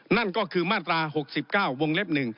นั่นก็คือมาตรา๖๙วงเล็บ๑